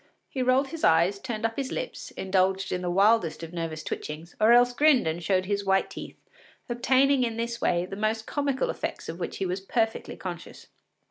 He rolled his eyes, turned up his lips, indulged in the wildest of nervous twitchings, or else grinned and showed his white teeth, obtaining in this way most comical effects of which he was perfectly conscious.